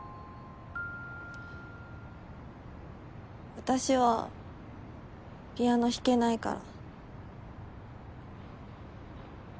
私はピアノ弾けないから。